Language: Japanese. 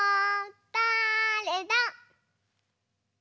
だれだ？